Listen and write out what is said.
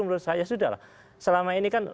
menurut saya sudah lah selama ini kan